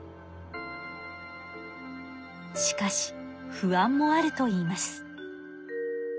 しかし不安もあるといいます。